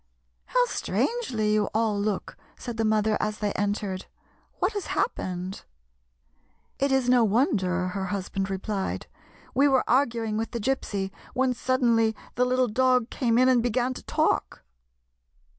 " How strangely you all look !" said the mother as they entered. " What has hap pened ?" "It is no wonder," her husband replied. " We were arguing with the Gypsy when sud denly the little dog came in and began to talk